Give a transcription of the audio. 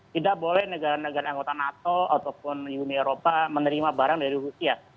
tidak boleh negara negara anggota nato ataupun uni eropa menerima barang dari rusia